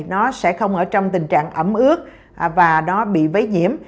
nó sẽ không ở trong tình trạng ẩm ướt và nó bị vấy nhiễm